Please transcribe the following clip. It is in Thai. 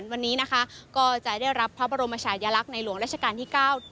วันนี้นะคะก็จะได้รับพระบรมชายลักษณ์ในหลวงราชการที่เก้า